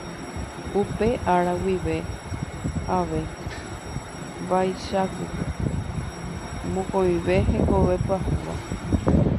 Upe ára guive ave vaicháku mokõive hekove pyahúva.